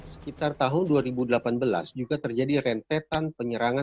sekitar tahun dua ribu delapan belas juga terjadi rentetan penyerangan